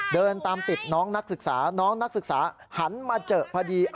เดินตามติดน้องนักศึกษาน้องนักศึกษาหันมาเจอพอดี